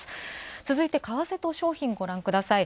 続いて為替と商品をごらんください。